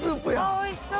おいしそう！